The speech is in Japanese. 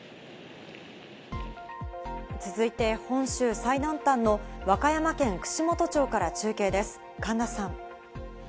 続いて本州最南端の和歌山県串本町から中継です、神田さん。